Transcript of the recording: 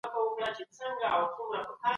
صبر او حوصله لویه پانګه ده.